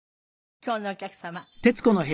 今日のお客様